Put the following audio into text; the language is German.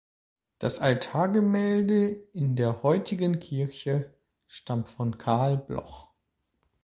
Das Altargemälde in der heutigen Kirche stammt von Carl Bloch.